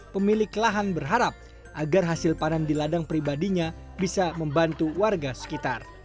pemilik lahan berharap agar hasil panen di ladang pribadinya bisa membantu warga sekitar